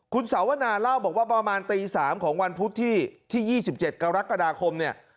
คุณสาวนาเล่าบอกว่าประมาณตี๓ของวันพุธที่๒๗กรกฎาคมเนี่ย